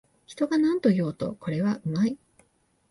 人がなんと言おうと、これはうまい